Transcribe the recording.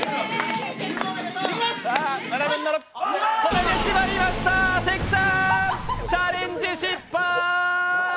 止めてしまいました関さん、チャレンジ失敗！